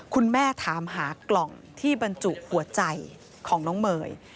คุณแม่ถามหากล่องที่บรรจุหัวใจของน้องเมย์